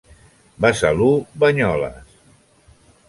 Besalú Banyoles.